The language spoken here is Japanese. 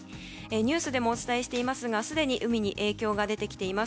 ニュースでもお伝えしていますがすでに海に影響が出てきています。